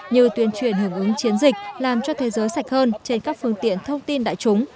như tuyên truyền hưởng ứng chiến dịch làm cho thế giới sạch hơn trên các phương tiện thông tin đại chúng